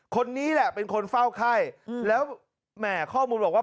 คนนี้แหละเป็นคนเฝ้าไข้แล้วแหม่ข้อมูลบอกว่า